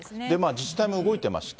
自治体も動いてまして。